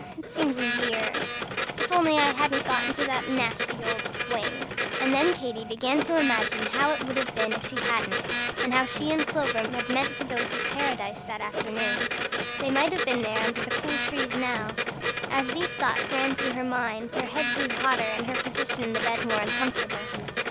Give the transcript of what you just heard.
It seems a year. If only I hadn't got into that nasty old swing!" And then Katy began to imagine how it would have been if she hadn't, and how she and Clover had meant to go to Paradise that afternoon. They might have been there under the cool trees now. As these thoughts ran through her mind, her head grew hotter and her position in the bed more uncomfortable.